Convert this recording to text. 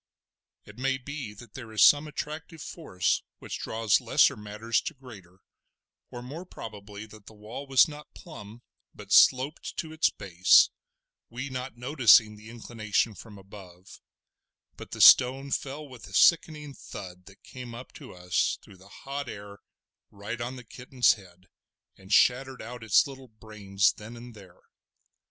It may be that there is some attractive force which draws lesser matters to greater; or more probably that the wall was not plump but sloped to its base—we not noticing the inclination from above; but the stone fell with a sickening thud that came up to us through the hot air, right on the kitten's head, and shattered out its little brains then and there.